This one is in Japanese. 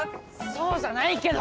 そうじゃないけど。